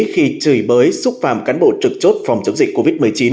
khi chửi bới xúc phạm cán bộ trực chốt phòng chống dịch covid một mươi chín